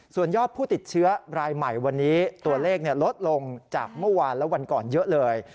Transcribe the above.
ส่วนยอดผู้ติดเชื้อรายใหม่วันนี้ตัวเลขลดลงจากเมื่อวานและวันก่อนเยอะเลย